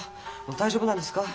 大丈夫なんですか？